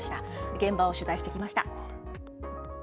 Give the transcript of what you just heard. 現場を取材してきました。